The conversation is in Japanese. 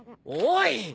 おい！